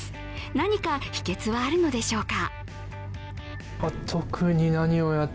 何か秘けつはあるのでしょうか。